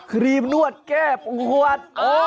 ครีมนวดแก้ปวด